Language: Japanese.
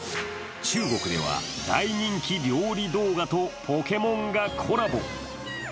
中国では大人気料理動画とポケモンがコラボ。